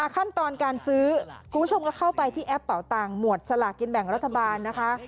ขั้นตอนการซื้อคุณผู้ชมก็เข้าไปที่แอปเป่าตังค์หมวดสลากินแบ่งรัฐบาลนะคะ